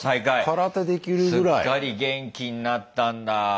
すっかり元気になったんだ。